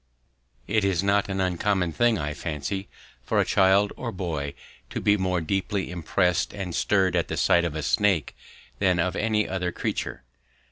It is not an uncommon thing, I fancy, for a child or boy to be more deeply impressed and stirred at the sight of a snake than of any other creature.